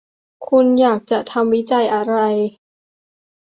คุณอยากจะทำวิจัยอะไร